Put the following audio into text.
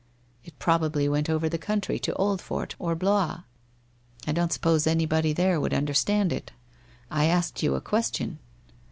' It probably went over the country to Oldfort or Blois. I don't suppose anybody there would understand it. I asked you a question.'